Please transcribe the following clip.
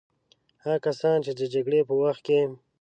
هغه کسان چې د جګړې په وخت کې.